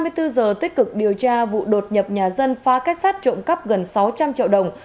trong hơn hai mươi bốn giờ tích cực điều tra vụ đột nhập nhà dân pha cách sát trộm cắp gần sáu trăm linh triệu đồng